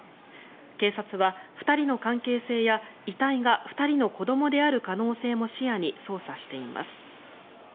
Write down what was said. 警察は２人の関係性や遺体が２人の子どもである可能性も視野に捜査しています。